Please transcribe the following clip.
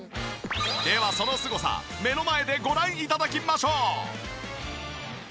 ではそのすごさ目の前でご覧頂きましょう！